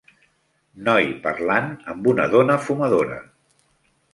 noi parlant amb una dona fumadora.